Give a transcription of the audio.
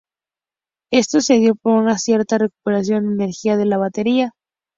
Esto se dio por una cierta recuperación de energía de la batería.